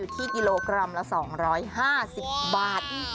ที่กิโลกรัมละ๒๕๐บาท